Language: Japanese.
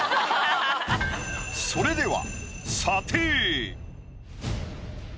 それでは。